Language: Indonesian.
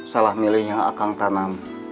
salah milihnya akang tanam